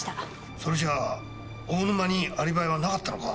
それじゃあ大沼にアリバイはなかったのか？